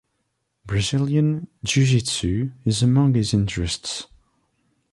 Brazilian jiu-jitsu is among his interests.